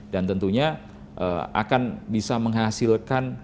tentunya akan bisa menghasilkan